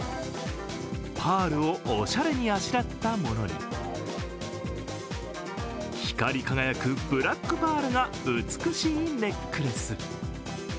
パールをおしゃれにあしらったものに光り輝くブラックパールが美しいネックレス。